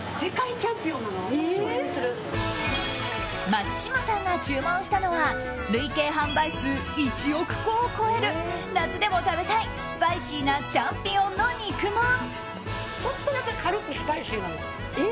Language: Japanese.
松嶋さんが注文したのは累計販売数１億個を超える夏でも食べたいスパイシーなチャンピオンの肉まん。